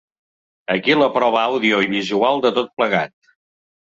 Aquí la prova àudio i visual de tot plegat.